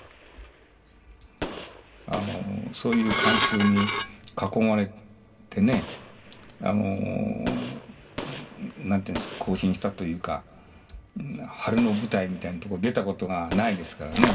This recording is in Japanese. あのそういう観衆に囲まれてねあの何て言うんすか行進したというか晴れの舞台みたいなとこ出たことがないですからね。